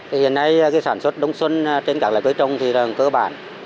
hiện nay sản xuất đông xuân trên các loài cây trồng là cơ bản